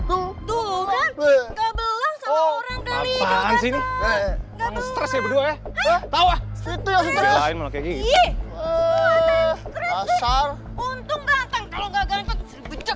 untung ganteng kalo gak ganteng sedih becek